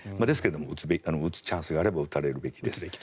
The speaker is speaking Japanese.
ですけど打つチャンスがあれば打たれるべきです。